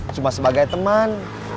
cuma sebagai teman